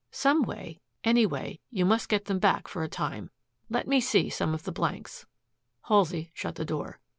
"Some way any way, you must get them back for a time. Let me see some of the blanks." Halsey shut the door.